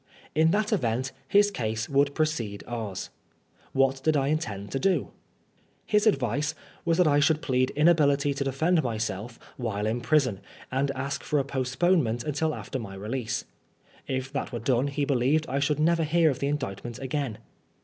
In that event, his case would precede ours. What did 1 intend to do? His advice was that I should plead inability to defend myself while in prison, and ask for a postponement until after my release. If that were done he believed I should never hear of the Indict ment again.